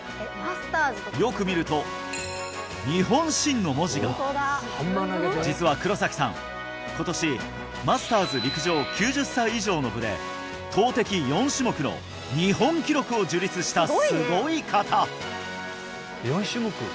よく見ると「日本新」の文字が実は黒崎さん今年マスターズ陸上９０歳以上の部で投てき４種目の日本記録を樹立したすごい方！